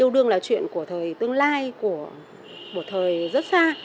đừng là chuyện của thời tương lai của thời rất xa